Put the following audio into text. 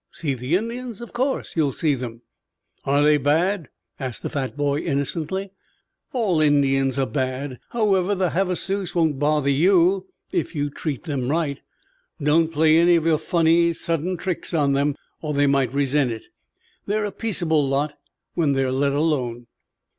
"See the Indians? Of course you'll see them." "Are they bad?" asked the fat boy innocently. "All Indians are bad. However, the Havasus won't bother you if you treat them right. Don't play any of your funny, sudden tricks on them or they might resent it. They're a peaceable lot when they're let alone."